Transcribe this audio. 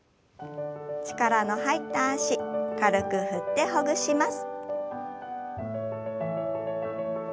力の入った脚軽く振ってほぐします。